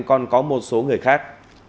còn có một số người khác